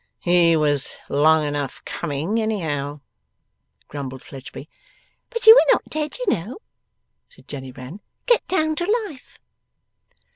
'He was long enough coming, anyhow,' grumbled Fledgeby. 'But you are not dead, you know,' said Jenny Wren. 'Get down to life!